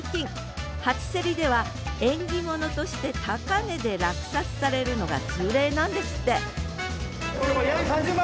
初競りでは縁起物として高値で落札されるのが通例なんですって３０万！